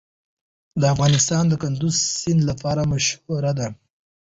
افغانستان د کندز سیند لپاره مشهور دی.